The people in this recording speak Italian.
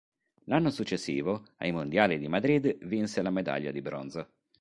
L'anno successivo, ai Mondiali di Madrid vinse la medaglia di bronzo.